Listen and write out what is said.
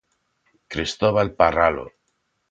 Cristóbal Parralo...